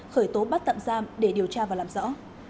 khởi tố bắt tạm giam để điều tra và làm rõ